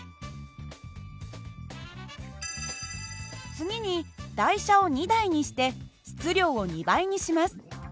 次に台車を２台にして質量を２倍にします。